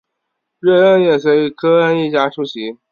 瑞恩也随科恩一家出席。